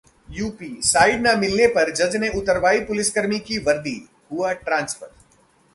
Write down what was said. UP: side न मिलने पर जज ने उतरवाई पुलिसकर्मी की वर्दी, हुआ ट्रांसफर